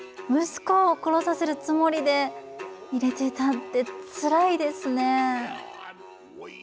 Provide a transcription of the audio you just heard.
息子を殺させるつもりで入れていたってつらいですね。